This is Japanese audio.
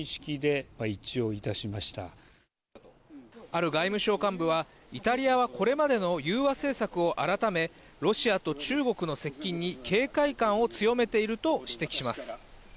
ある外務省幹部は、イタリアはこれまでの融和政策を改め、ロシアと中国の接近に警戒感を強めていると指摘します。